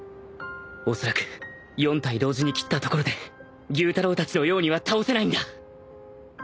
おそらく４体同時に斬ったところで妓夫太郎たちのようには倒せないんだ